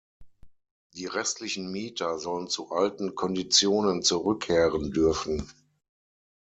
Die restlichen Mieter sollen zu alten Konditionen zurückkehren dürfen.